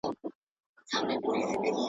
اوس به دي وعظونه د ګرېوان تر تڼۍ تېر نه سي .